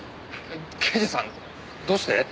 刑事さんどうして？